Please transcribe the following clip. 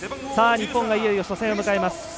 日本がいよいよ初戦を迎えます。